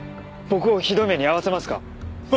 僕をひどい目に遭わせますか？